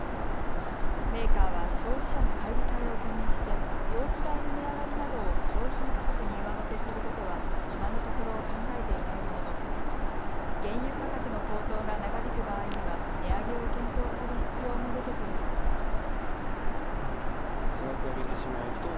メーカーは消費者の買い控えを懸念して容器代の値上がりなどを商品価格に上乗せすることは今のところ考えていないものの原油価格の高騰が長引く場合には値上げを検討する必要も出てくるとしています。